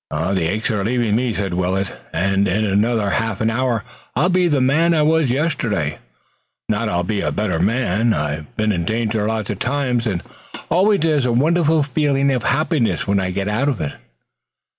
"The aches are leaving me," said Willet, "and in another half hour I'll be the man I was yesterday. Not I'll be a better man. I've been in danger lots of times and always there's a wonderful feeling of happiness when I get out of it."